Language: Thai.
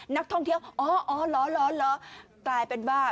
นักท่องเที่ยวอ๋ออ๋อเหรอกลายเป็นว่า